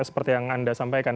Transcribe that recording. seperti yang anda sampaikan